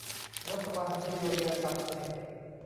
รัฐบาลซีเรียตัดเน็ต